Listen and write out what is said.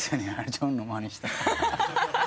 ジョンのまねしたら。